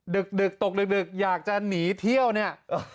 ดึกตกดึกอยากจะหนีเที่ยวเนี่ย